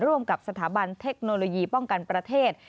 ร่วมกับสถาบันเทคโนโลยีป้องกันประเทศ